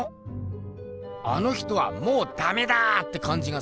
あの人はもうダメだってかんじがすんな。